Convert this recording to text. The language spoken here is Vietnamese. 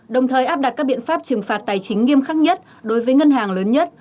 đồng thời áp đặt các biện pháp trừng phạt tài chính nghiêm khắc nhất đối với ngân hàng lớn nhất